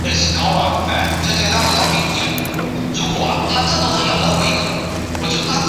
录音室专辑精选专辑单曲现场录音专辑电影原声带致敬专辑合辑